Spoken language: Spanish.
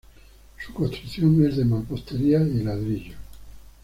Su construcción es de mampostería y ladrillo.